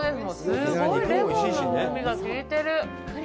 すごいレモンの風味が効いてる。